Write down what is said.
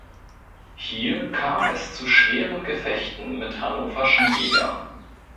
Hier kam es zu schweren Gefechten mit hannoverschen Jägern.